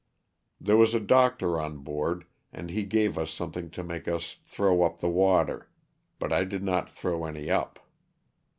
There was a doctor on board and he gave us something to make us throw up the water, but I did not throw any up.